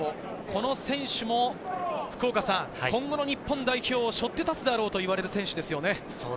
この選手も、今後の日本代表を背負って立つであろうといわれる選手ですよね。